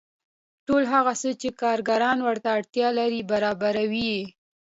ټول هغه څه چې کارګران ورته اړتیا لري برابروي